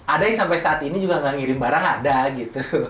ada yang sampai saat ini juga nggak ngirim barang ada gitu